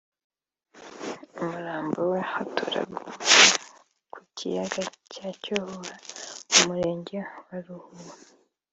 umurambo we watoraguwe ku kiyaga cya Cyohoha mu murenge wa Ruhuha